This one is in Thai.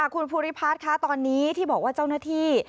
คุณภูริพัฒน์คะตอนนี้ที่บอกว่าเจ้าหน้าที่